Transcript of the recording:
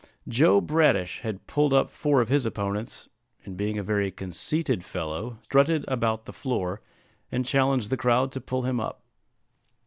Joe Bradish had pulled up four of his opponents, and being a very conceited fellow, strutted about the floor, and challenged the crowd to pull him up.